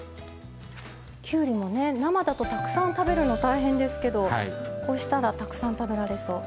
きゅうりもね生だとたくさん食べるの大変ですけどこうしたらたくさん食べられそう。